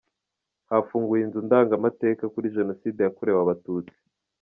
Hafunguwe inzu ndangamateka kuri Jenoside yakorewe Abatutsi